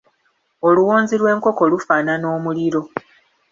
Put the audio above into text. Oluwonzi lw'enkoko lufaanana omuliro.